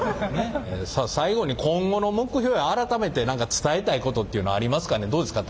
さあ最後に今後の目標や改めて何か伝えたいことっていうのありますかねどうですか？